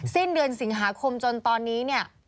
สิ้นเดือนสิงหาคมจนตอนนี้